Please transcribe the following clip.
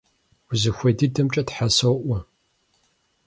Узыхуей дыдэмкӀэ Тхьэ соӀуэ!